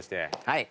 はい。